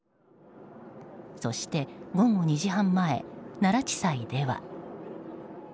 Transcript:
そして午後２時半前奈良地裁では。